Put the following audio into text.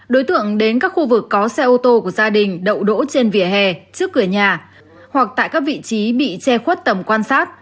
đối tượng đến các khu vực có xe ô tô của gia đình đậu đỗ trên vỉa hè trước cửa nhà hoặc tại các vị trí bị che khuất tầm quan sát